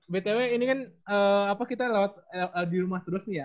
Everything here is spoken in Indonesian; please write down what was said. btw ini kan kita lewat di rumah terus nih ya